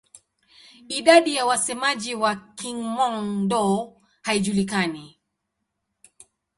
Idadi ya wasemaji wa Kihmong-Dô haijulikani.